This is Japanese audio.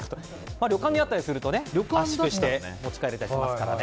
旅館にあったりすると圧縮して持ち帰れたりしますね。